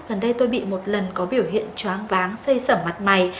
gần đây tôi bị một lần có biểu hiện choáng váng xây sẩm mặt mày